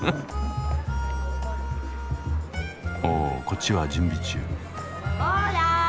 おこっちは準備中。